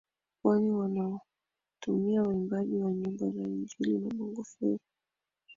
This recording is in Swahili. kwani wanawatumia waimbaji wa nyimbo za injili na bongo fleva